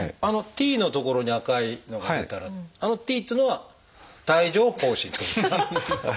「Ｔ」の所に赤いのが出たらあの「Ｔ」っていうのは「帯状疱疹」ってことですか？